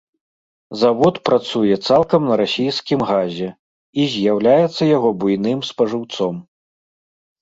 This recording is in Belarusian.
Завод працуе цалкам на расійскім газе і з'яўляецца яго буйным спажыўцом.